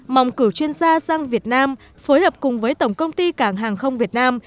mong cử chuyên gia sang việt nam phối hợp cùng với tổng công ty cảng hàng không việt nam